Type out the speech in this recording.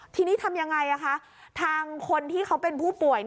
ทีนี้ทำยังไงทางคนที่เขาเป็นผู้ป่วย